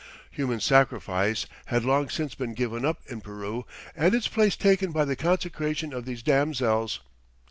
Human sacrifice had long since been given up in Peru and its place taken by the consecration of these damsels.